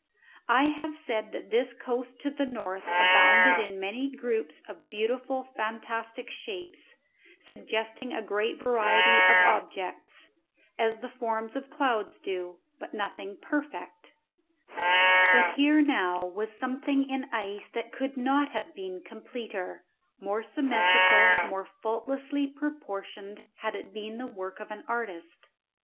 I have said that this coast to the north abounded in many groups of beautiful fantastic shapes, suggesting a great variety of objects, as the forms of clouds do, but nothing perfect; but here now was something in ice that could not have been completer, more symmetrical, more faultlessly proportioned had it been the work of an artist.